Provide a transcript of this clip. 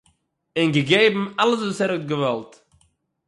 און געגעבן אַלעס וואָס ער האָט געוואָלט